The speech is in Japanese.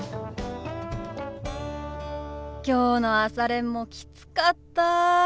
きょうの朝練もきつかった。